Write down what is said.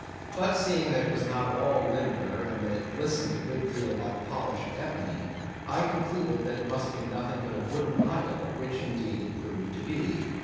But seeing that it was not at all limber, and that it glistened a good deal like polished ebony, I concluded that it must be nothing but a wooden idol, which indeed it proved to be.